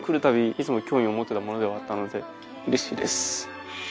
いつも興味を持ってたものではあったのでうれしいです。